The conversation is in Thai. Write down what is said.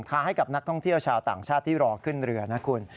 ให้กับนักท่องเที่ยวชาวต่างชาติที่รอขึ้นเรือนะคุณ